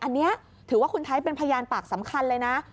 อันนี้ถือว่าคุณไทยเป็นพยานปากสำคัญเลยนะ